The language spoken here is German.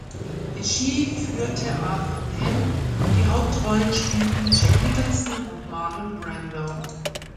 Regie führte Arthur Penn, die Hauptrollen spielten Jack Nicholson und Marlon Brando.